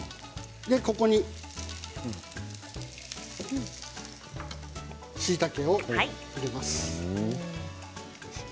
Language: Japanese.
ここに、しいたけを入れます。